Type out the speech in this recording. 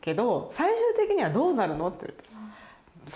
最終的にはどうなるのって言われて。